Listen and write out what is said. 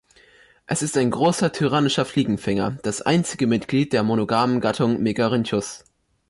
Es ist ein großer tyrannischer Fliegenfänger, das einzige Mitglied der monogamen Gattung "Megarynchus".